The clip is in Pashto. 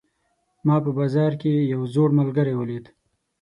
ما په بازار کې یو زوړ ملګری ولید